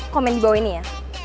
komen di bawah ini ya